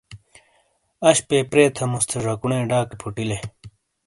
اشپے پرے تھموس تھے ژاکونے ڈاکی فوٹیلے